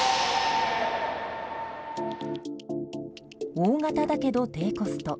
大型だけど低コスト。